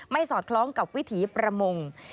สอดคล้องกับวิถีประมง